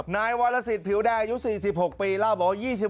นายวัลสิทธิ์ผิวไดยุที่๔๖ปี